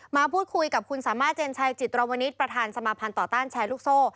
มาพูดคุยกับคุณสามารถเจนชัยจิตรวนิตประธานสมาภัณฑ์ต่อต้านแชร์ลูกโซ่